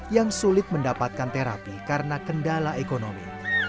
yang sulit mendapatkan terapi karena kendala ekonomi